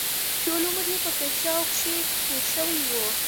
ټول عمر يې په فحشاوو کښې تېر شوى و.